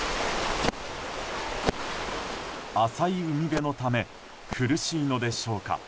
浅い海辺のため苦しいのでしょうか。